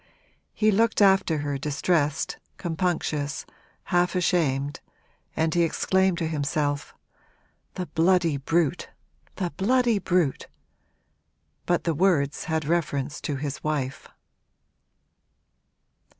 He looked after her, distressed, compunctious, half ashamed, and he exclaimed to himself 'The bloody brute, the bloody brute!' But the words had reference to his wife.